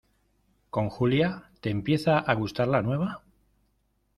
con Julia, te empieza a gustar la nueva?